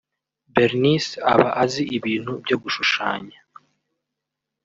Bernice aba azi ibintu byo gushushanya